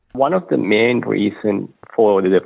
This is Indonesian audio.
salah satu alasan utama